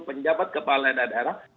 penjabat kepala daerah